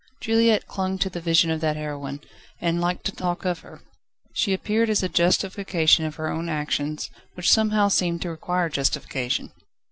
Juliette clung to the vision of that heroine, and liked to talk of her. She appeared as a justification of her own actions, which somehow seemed to require justification.